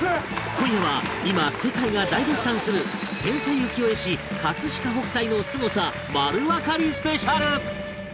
今夜は今世界が大絶賛する天才浮世絵師飾北斎のすごさ丸わかりスペシャル！